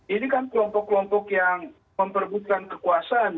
ini kan kelompok kelompok yang memperbutkan kekuasaan